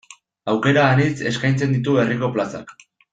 Aukera anitz eskaintzen ditu herriko plazak.